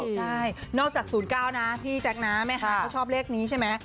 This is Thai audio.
ใช่นอกจาก๐๙นะพี่แจ๊คนะแม่ค้าเขาชอบเลขนี้ใช่ไหม